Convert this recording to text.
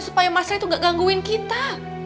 supaya mas rey tuh gak gangguin kita